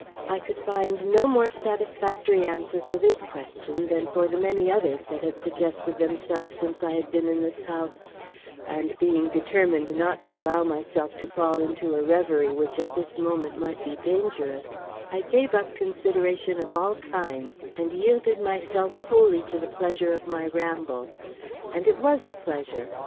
I could find no more satisfactory answer for this question than for the many others that had suggested themselves since I had been in this house; and being determined not to allow myself to fall into a reverie which at this moment might be dangerous, I gave up consideration of all kinds, and yielded myself wholly to the pleasure of my ramble. And it was a pleasure!